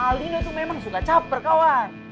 aldino tuh memang suka caper kawan